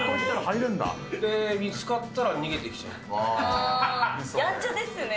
で、見つかったら逃げてきちやんちゃですね。